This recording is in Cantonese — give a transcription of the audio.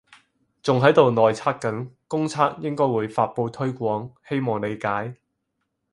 仲喺度內測緊，公測應該會發佈推廣，希望理解